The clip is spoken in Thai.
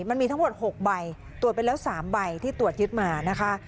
มันมีทั้งหมด๖ใบตรวจไปแล้ว๓ใบที่ตรวจยึดมานะคะ